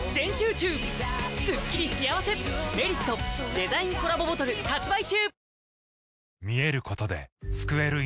デザインコラボボトル発売中！